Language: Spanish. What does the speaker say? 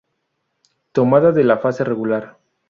Tomada de la fase regular.